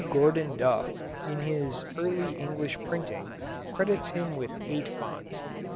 Gordon Duff, in his Early English Printing, credits him with eight founts.